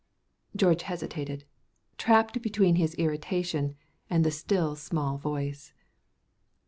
George hesitated, trapped between his irritation and the still small voice.